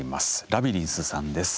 ラビリンスさんです。